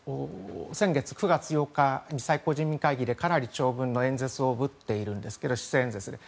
先月９月８日に最高人民会議でかなり長文の演説をぶっているんですが施政演説で。